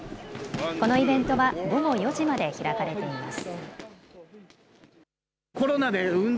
このイベントは午後４時まで開かれています。